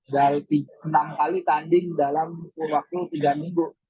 dan enam kali tanding dalam waktu tiga minggu